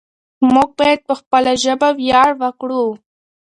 موږ بايد په خپله ژبه وياړ وکړو.